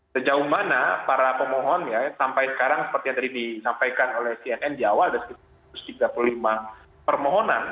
sejauh mana para pemohon ya sampai sekarang seperti yang tadi disampaikan oleh cnn di awal ada sekitar satu ratus tiga puluh lima permohonan